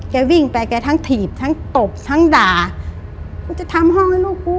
วิ่งไปแกทั้งถีบทั้งตบทั้งด่ากูจะทำห้องให้ลูกกู